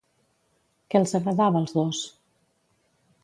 Què els agradava als dos?